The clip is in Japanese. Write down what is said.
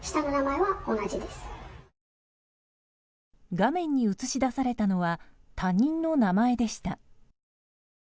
画面に映し出されたのは他人の名前でした。